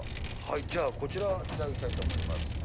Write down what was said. じゃあこちら、頂きたいと思います。